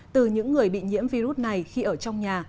từ những người bị nhiễm virus này khi ở trong nhà